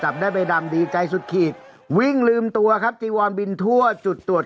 แบบช่วงเราดีใจมัน